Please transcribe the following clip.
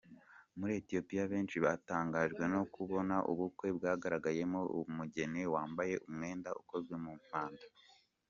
Muri Ethiopia benshi batangajwe no kubona ubukwe bwagaragayemo umugeni wambaye umwenda ukozwe mu mapamba .